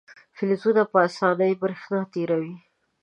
فلزونه په اسانۍ برېښنا تیروي.